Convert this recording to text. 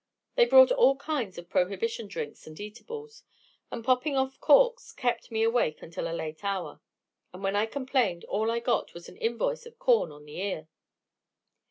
They brought all kinds of prohibition drinks and eatables; the popping of corks kept me awake until a late hour. And when I complained, all I got was an invoice of corn on the ear.